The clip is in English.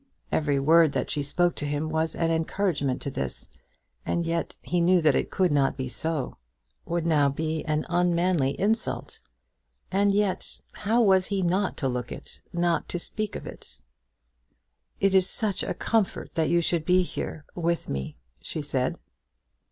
Every word that she spoke to him was an encouragement to this, and yet he knew that it could not be so. To say a word of his love, or even to look it, would now be an unmanly insult. And yet, how was he not to look it, not to speak of it? "It is such a comfort that you should be here with me," she said.